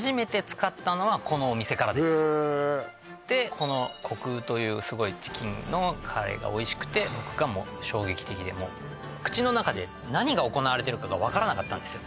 この虚空というすごいチキンのカレーがおいしくて僕がもう衝撃的でもう口の中で何が行われてるかが分からなかったんですよ